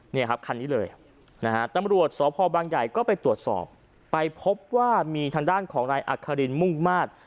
นี่ครับคันนี้เลยนะฮะตำรวจสพบางใหญ่ก็ไปตรวจสอบไปพบว่ามีทางด้านของนายอัครินมุ่งมาตร